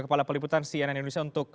kepala peliputan cnn indonesia untuk